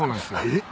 えっ？